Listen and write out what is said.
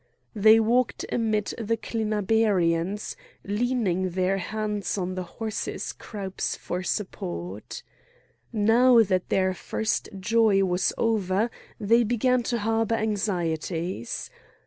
They walked amid the Clinabarians, leaning their hands on the horses' croups for support. Now that their first joy was over they began to harbour anxieties.